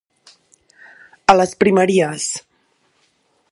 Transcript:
A les primeries.